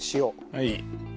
はい。